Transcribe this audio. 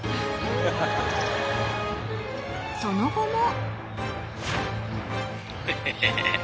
［その後も］